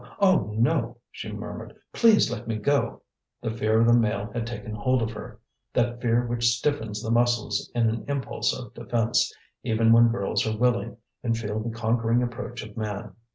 oh, no!" she murmured, "please let me go!" The fear of the male had taken hold of her, that fear which stiffens the muscles in an impulse of defence, even when girls are willing, and feel the conquering approach of man.